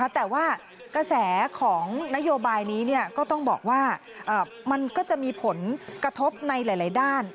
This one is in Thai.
แต่ว่ากระแสของนโยบายนี้ก็ต้องบอกว่ามันก็จะมีผลกระทบในหลายด้าน